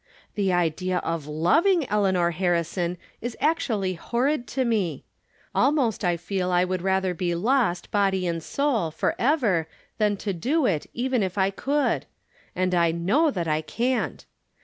The idea of lov ing Eleanor Harrison is actually horrid to me ! Almost I feel I would rather be lost, body and soul, forever, than to do it, even if I could ; and From Different Standpoints. 251 I know that I can't.